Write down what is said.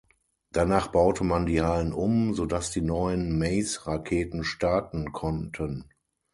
Danach baute man die Hallen um, sodass die neuen Mace-Raketen starten konnten.